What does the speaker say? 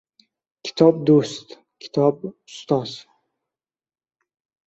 Kitob – do‘st, kitob – ustoz.